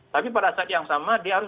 tapi pada saat yang sama dia harus